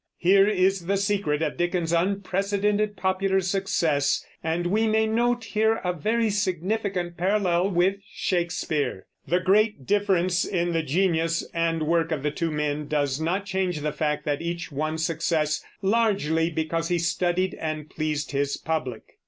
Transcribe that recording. Here is the secret of Dickens's unprecedented popular success, and we may note here a very significant parallel with Shakespeare. The great different in the genius and work of the two men does not change the fact that each won success largely because he studied and pleased his public.